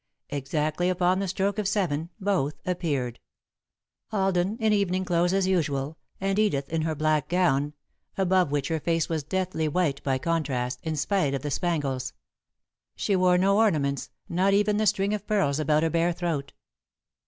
Exactly upon the stroke of seven, both appeared, Alden in evening clothes as usual, and Edith in her black gown, above which her face was deathly white by contrast, in spite of the spangles. She wore no ornaments, not even the string of pearls about her bare throat.